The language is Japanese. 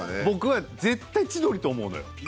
僕は絶対千鳥と思うのよ。